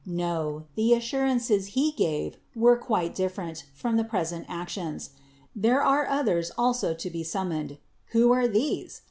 No: the assurances he then gave were quite different from the present actions. There are others also to be summoned. "Who are these?